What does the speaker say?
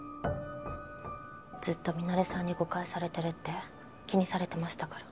ずっとミナレさんに誤解されてるって気にされてましたから。